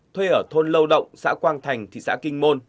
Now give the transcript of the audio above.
thuê ở thôn lâu động xã quang thành thị xã kinh môn